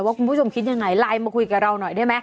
คุณผู้ชมคิดยังไงไลน์มาคุยกับเราหน่อยได้ไหม